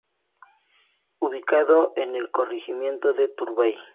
Ubicado en el corregimiento de Turbay.